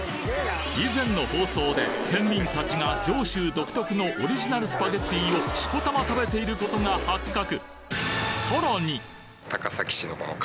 以前の放送で県民たちが上州独特のオリジナルスパゲティをしこたま食べていることが発覚！